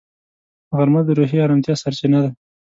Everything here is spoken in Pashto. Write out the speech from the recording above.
غرمه د روحي ارامتیا سرچینه ده